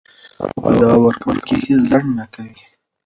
هغه په ځواب ورکولو کې هیڅ ځنډ نه کوي.